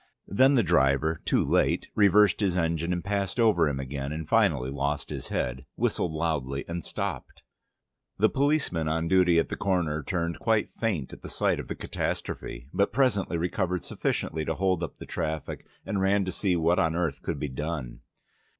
Then the driver (too late) reversed his engine and passed over him again, and finally lost his head, whistled loudly and stopped. The policeman on duty at the corner turned quite faint at the sight of the catastrophe, but presently recovered sufficiently to hold up the traffic, and ran to see what on earth could be done.